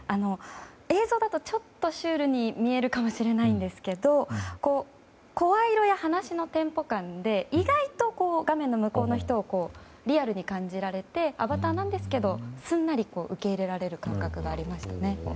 映像だと、ちょっとシュールに見えるかもしれないんですが声色や話のテンポ感で意外と画面の向こうの人をリアルに感じられてアバターなんですがすんなり、受け入れられる感覚がありましたね。